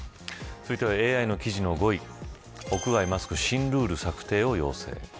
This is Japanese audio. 続いてはＡＩの記事の５位屋外マスク新ルール策定を要請。